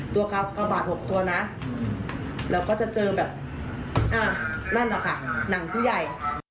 ตัวกระบาด๖ตัวนะเราก็จะเจอแบบนั่นแหละค่ะหนังผู้ใหญ่